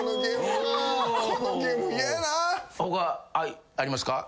他ありますか？